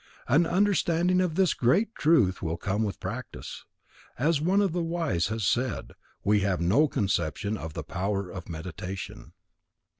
An understanding of this great truth will come with practice. As one of the wise has said, we have no conception of the power of Meditation.